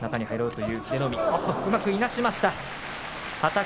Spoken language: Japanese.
うまくいなしました。